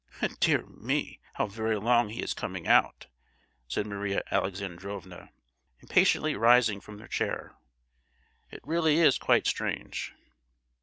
"Dear me, how very long he is coming out," said Maria Alexandrovna, impatiently rising from her chair; "it really is quite strange!"